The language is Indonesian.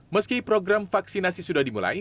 meski program vaksinasi sudah dimulai